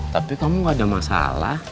tapi kamu gak ada masalah